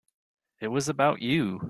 It was about you.